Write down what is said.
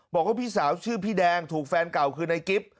บอกว่าพี่สาวชื่อพี่แดงถูกแฟนเก่าคือในกิฟต์